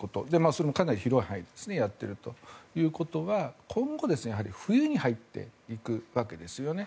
それもかなり広い範囲でやっているということが今後冬に入っていくわけですよね。